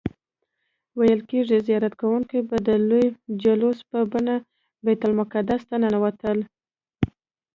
ویل کیږي زیارت کوونکي به د لوی جلوس په بڼه بیت المقدس ته ننوتل.